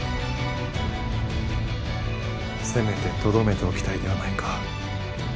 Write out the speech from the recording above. せめてとどめておきたいではないか。